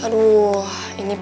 dan dukung bujianmu